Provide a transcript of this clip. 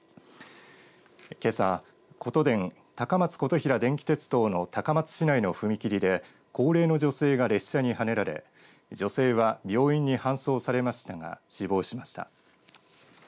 けさ、ことでん高松琴平電気鉄道の高松市内の踏切で高齢の女性が列車にはねられ女性は病院に搬送されましたが死亡しました。